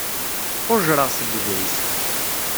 Qujjreɣ seg ugris.